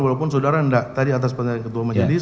walaupun sudara tadi atas penelitian ketua majelis